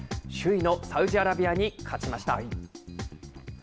首位のサウジアラビアに勝ちました。